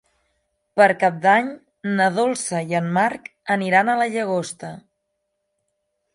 Per Cap d'Any na Dolça i en Marc aniran a la Llagosta.